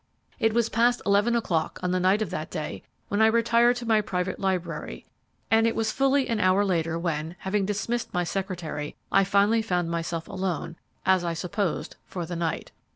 It was past eleven o'clock on the night of that day when I retired to my private library, and it was fully an hour later when, having dismissed my secretary, I finally found myself alone, as I supposed, for the night.